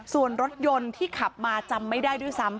ส่วนรถยนต์ที่ขับมาจำไม่ได้ด้วยซ้ำ